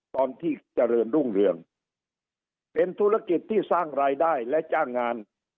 เจริญรุ่งเรืองเป็นธุรกิจที่สร้างรายได้และจ้างงาน